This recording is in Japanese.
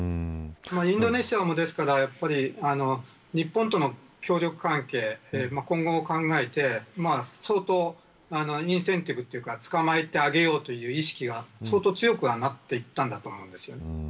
インドネシアも、ですから日本との協力関係今後を考えて相当インセンティブというか捕まえてあげようという意識が相当、強くはなっていったんだと思います。